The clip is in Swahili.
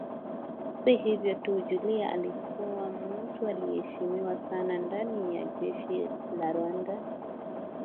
Si hivyo tu Juliana alikuwa ni mtu anayeheshimiwa sana ndani ya jeshi la Rwanda